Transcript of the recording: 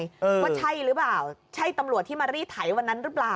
ว่าใช่หรือเปล่าใช่ตำรวจที่มารีดไถวันนั้นหรือเปล่า